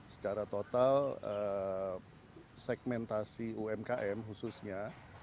secara total segmentasi umkm khususnya